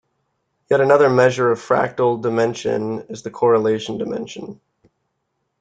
Yet another measure of fractal dimension is the correlation dimension.